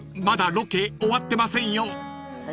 まだロケ終わってませんよ］